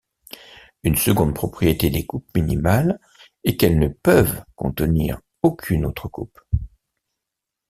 Une seconde propriété des coupes minimales est qu'elles ne peuvent contenir aucune autre coupe.